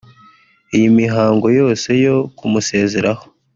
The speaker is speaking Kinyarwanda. Iyi mihango yose yo kumusezeraho